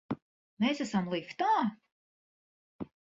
Mēs esam liftā!